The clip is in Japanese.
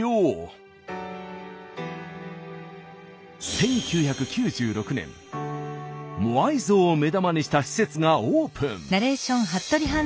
１９９６年モアイ像を目玉にした施設がオープン。